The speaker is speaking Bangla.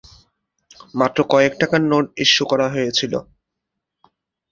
মাত্র কয়েক টাকার নোট ইস্যু করা হয়েছিল।